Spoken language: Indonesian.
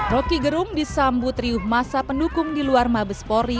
rocky gerung disambut triuh masa pendukung di luar mabes pori